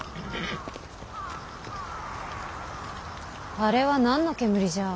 あれは何の煙じゃ？